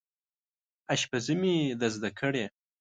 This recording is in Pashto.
اشپزي مې ده زده کړې